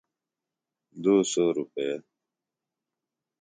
دُو سَوہ روپے۔